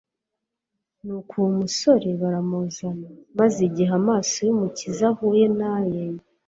Nuko uwo musore baramuzana, maze igihe amaso y'Umukiza ahuye n'aye,